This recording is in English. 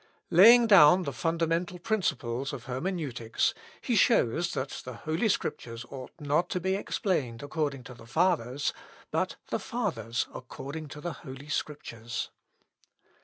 Laying down the fundamental principles of Hermeneutics, he shows that the Holy Scriptures ought not to be explained according to the Fathers, but the Fathers according to the Holy Scriptures.